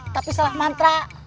tapi salah mantra